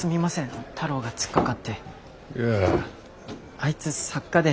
あいつ作家で。